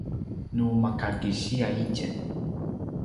nu maka kisiya itjen